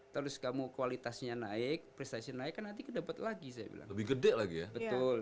terus kamu kualitasnya naik prestasi naik kan nanti dapat lagi saya bilang lebih gede lagi ya betul